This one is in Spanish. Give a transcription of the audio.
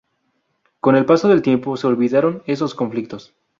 Con el paso del tiempo se olvidaron esos conflictos.